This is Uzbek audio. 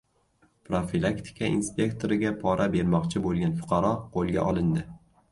Profilaktika inspektoriga pora bermoqchi bo‘lgan fuqaro qo‘lga olindi